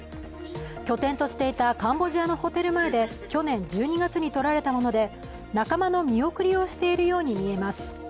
拠点としていたカンボジアのホテル前で去年１２月に撮られたもので、仲間の見送りをしているようにみえます。